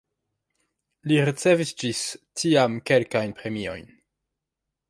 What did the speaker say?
Li ricevis ĝis tiam kelkajn premiojn.